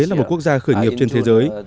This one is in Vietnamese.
là một quốc gia khởi nghiệp trên thế giới